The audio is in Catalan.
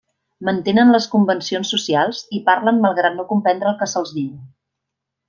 Mantenen les convencions socials, i parlen malgrat no comprendre el que se'ls diu.